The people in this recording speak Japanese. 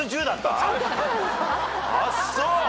あっそう！